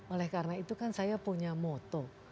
oleh karena itu kan saya punya moto